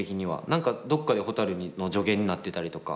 何かどっかでほたるの助言になってたりとか